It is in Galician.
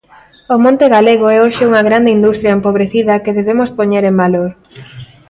O monte galego é hoxe unha grande industria empobrecida que debemos poñer en valor.